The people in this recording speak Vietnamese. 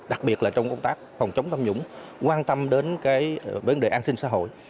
đặc biệt là trong công tác phòng chống tâm nhũng quan tâm đến vấn đề an sinh xã hội